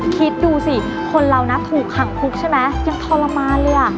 คิดดูสิคนเรานะถูกขังคุกใช่ไหมยังทรมานเลยอ่ะ